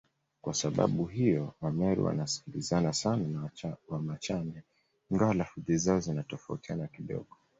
Kwa sababu hiyo Wameru wanasikilizana sana na Wamachame ingawa lafudhi zao zinatofautiana kidogo